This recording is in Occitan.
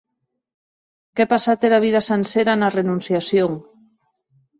Qu’è passat era vida sancera ena renonciacion!